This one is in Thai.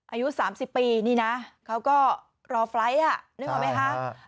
อายุ๓๐ปีนี่นะเขาก็รอไฟล์ทนึกออกไหมคะ